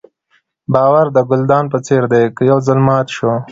باور د ګلدان په څېر دی که یو ځل مات شو.